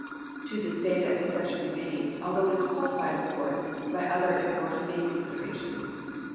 To this day that conception remains, although it is qualified, of course, by other and more humane considerations.